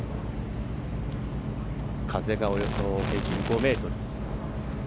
風がおよそ平均５メートル。